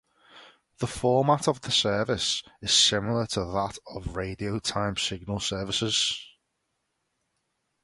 The format of the service is similar to that of radio time signal services.